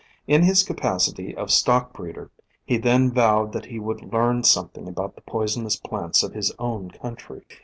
In his capacity of stock breeder, he then vowed that he would learn something about the poisonous plants of his own country.